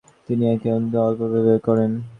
তিনি একে একটি অম্ল ভেবে ভুল করেন।